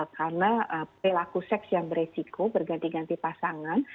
karena pelaku seks yang beresiko berganti ganti pasangan